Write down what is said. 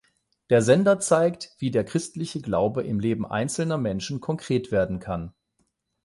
Der Sender zeigt, wie der christliche Glaube im Leben einzelner Menschen konkret werden kann.